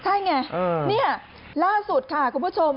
ใช่ไงนี่ล่าสุดค่ะคุณผู้ชม